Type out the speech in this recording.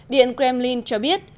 điện kremlin cho biết